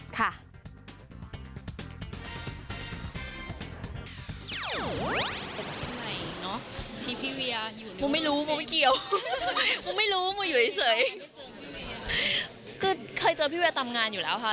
ก็เคยเจอพี่พรีเวียตามงานอยู่แล้วค่ะ